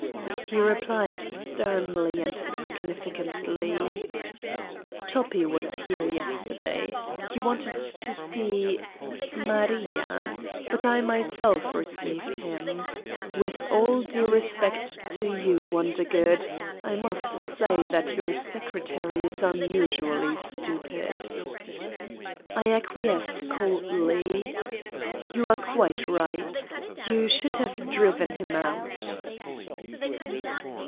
He replied sternly and significantly: "Toppi was here yesterday. He wanted to see ... Maria but I myself received him. With all due respect to you, Wondergood, I must say that your secretary is unusually stupid." I acquiesced coldly. "You are quite right. You should have driven him out."